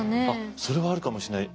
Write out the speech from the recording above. それはあるかもしんない。